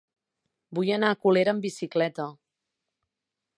Vull anar a Colera amb bicicleta.